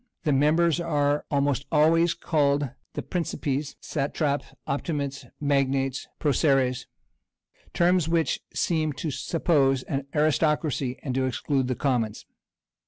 The members are almost always called the "principes, satrapæ, optimates, magnates, proceres;" terms which seem to suppose an aristocracy, and to exclude the commons.